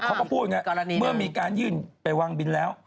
เขาก็พูดอย่างนี้เมื่อมีการยื่นไปวางบินแล้ว